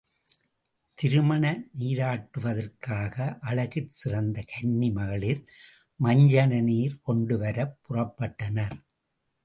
திருமண நீராட்டுவதற்காக அழகிற் சிறந்த கன்னி மகளிர் மஞ்சனநீர் கொண்டுவரப் புறப்பட்டனர்.